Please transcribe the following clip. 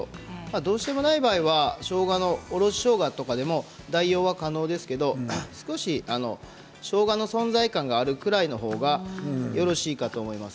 どうしてもない場合にはおろししょうがでも代用は可能ですけれどしょうがの存在感があるぐらいのほうがよろしいかと思います。